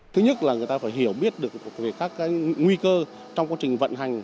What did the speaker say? thứ nhất là người ta phải hiểu biết được về các nguy cơ trong quá trình vận hành